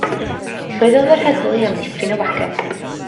Llwyddodd yr heddlu i amddiffyn y wagen.